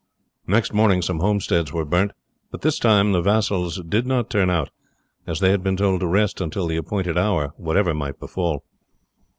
The next night some more homesteads were burnt, but this time the vassals did not turn out, as they had been told to rest until the appointed hour whatever might befall.